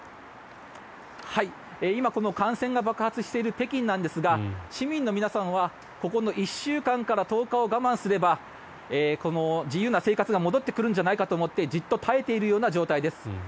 今、感染が爆発している北京なんですが市民の皆さんはこの１週間から１０日を我慢すれば自由な生活が戻ってくるんじゃないかと思ってじっと耐えているような状況です。